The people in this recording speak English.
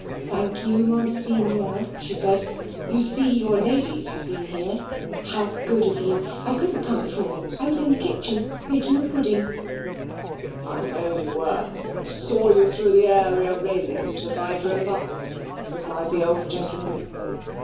"Thank you, Monseigneur," she said. "You see your ladies have been here. How good of you! I couldn't come before I was in the kitchen making a pudding." "I know you were, I saw you through the area railings as I drove up," replied the old gentleman.